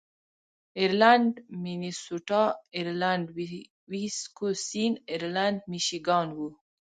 ایرلنډ مینیسوټا، ایرلنډ ویسکوسین، ایرلنډ میشیګان و.